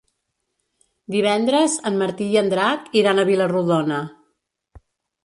Divendres en Martí i en Drac iran a Vila-rodona.